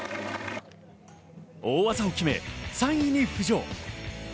大技を決め、３位に浮上。